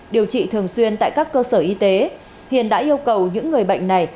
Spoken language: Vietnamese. điều trị thường xuyên tại các cơ sở y tế hiền đã yêu cầu những người bệnh này